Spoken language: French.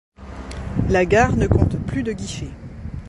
La gare ne compte plus de guichets.